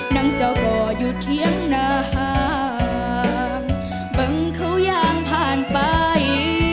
นางเจ้ากออยู่เทียบนางเบิ้งเค้ายางผ่านไป